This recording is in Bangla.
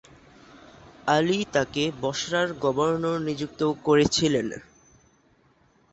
আলী তাকে বসরার গভর্নর নিযুক্ত করেছিলেন।